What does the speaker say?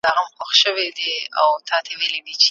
د قران حکمونه تلپاتې او بې بدلونه دي.